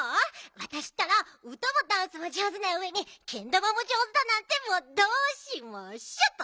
わたしったらうたもダンスも上手なうえにけん玉も上手だなんてもうどうしましょっと！